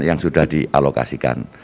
yang sudah dialokasikan